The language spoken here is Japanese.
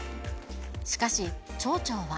しかし、町長は。